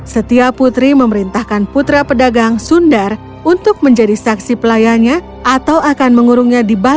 setiap putri memerintahkan putra pedagang sundar untuk menjadi saksi pelayannya atau akan mengurungnya di bali